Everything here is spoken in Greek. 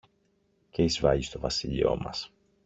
και εισβάλλει στο βασίλειό μας.